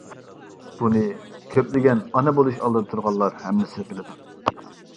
بۇنى كۆپلىگەن ئانا بولۇش ئالدىدا تۇرغانلار ھەممىسى بىلىدۇ.